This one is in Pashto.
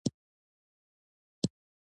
موږ اومه تیل په سپینو تیلو او ګازو بدلوو.